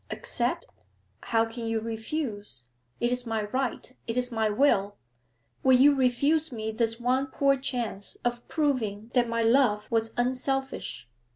'Accept? How can you refuse? It is my right, it is my will! Would you refuse me this one poor chance of proving that my love was unselfish?